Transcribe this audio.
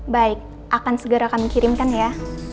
baik akan segera kami kirimkan ya